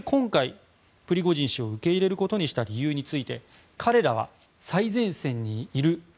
そして今回、プリゴジン氏を受け入れることにした理由について彼らは最前線にいる。